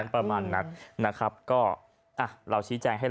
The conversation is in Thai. ประมาณนั้นนะครับ